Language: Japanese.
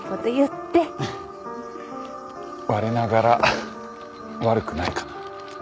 われながら悪くないかな。